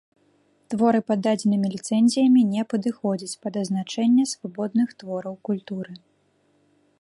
Творы пад дадзенымі ліцэнзіямі не падыходзяць пад азначэнне свабодных твораў культуры.